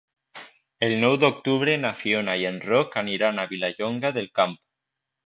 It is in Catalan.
El nou d'octubre na Fiona i en Roc aniran a Vilallonga del Camp.